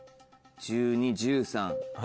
１２１３。